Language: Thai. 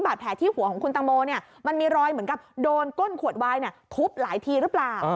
บาดแผลที่หัวของคุณตังโมมันมีรอยเหมือนกับโดนก้นขวดวายทุบหลายทีหรือเปล่า